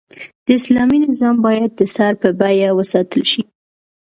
د اسلامي نظام بايد د سر په بيه وساتل شي